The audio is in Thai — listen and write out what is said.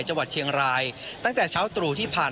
จังหวัดเชียงรายตั้งแต่เช้าตรู่ที่ผ่าน